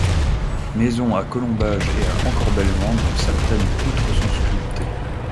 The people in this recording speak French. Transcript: Maison à colombages et à encorbellement dont certaines poutres sont sculptées.